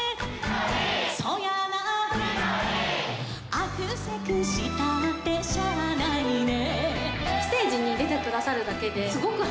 「あくせくしたってしゃあないね」